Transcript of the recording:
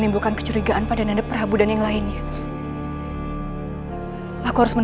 apa yang ayahanda lakukan